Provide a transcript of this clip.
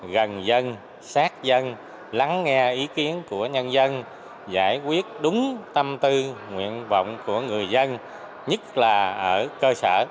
gần dân sát dân lắng nghe ý kiến của nhân dân giải quyết đúng tâm tư nguyện vọng của người dân nhất là ở cơ sở